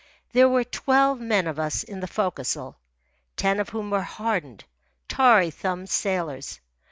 There were twelve men of us in the forecastle, ten of whom were hardened, tarry thumbed sailors.